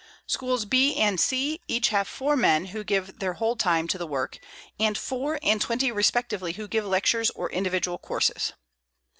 Schools B and C have each 4 men who give their whole time to the work; and 4 and 20 respectively who give lectures or individual courses.